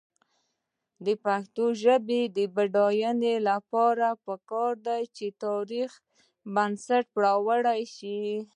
د پښتو ژبې د بډاینې لپاره پکار ده چې تاریخي بنسټ پیاوړی شي.